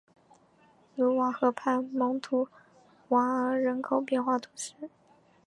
卢瓦河畔蒙图瓦尔人口变化图示